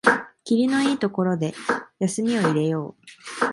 きりのいいところで休みを入れよう